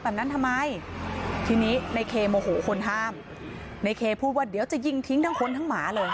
แบบนั้นทำไมทีนี้ในเคโมโหคนห้ามในเคพูดว่าเดี๋ยวจะยิงทิ้งทั้งคนทั้งหมาเลย